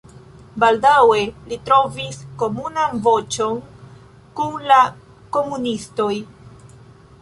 Baldaŭe li trovis komunan voĉon kun la komunistoj.